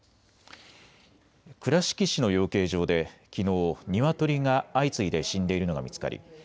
倉敷市の養鶏場できのう、ニワトリが相次いで死んでいるのが見つかり